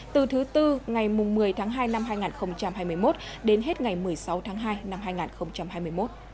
từ thứ tư ngày một mươi tháng hai năm hai nghìn hai mươi một đến hết ngày một mươi sáu tháng hai năm hai nghìn hai mươi một